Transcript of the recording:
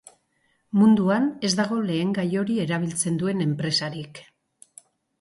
Munduan ez dago lehengai hori erabiltzen duen enpresarik.